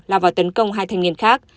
lao vào tấn công hai thanh niên khác